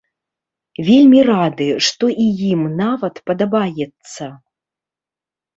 Вельмі рады, што і ім нават падабаецца.